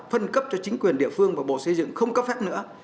phân cấp cho chính quyền địa phương và bộ xây dựng không cấp phép nữa